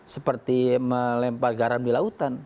seperti melempar garam di lautan